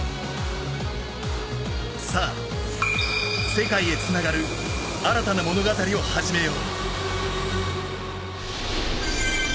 さあ、世界へつながる新たな物語を始めよう。